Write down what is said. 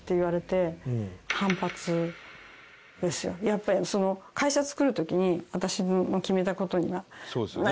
やっぱりその会社作る時に私の決めた事には。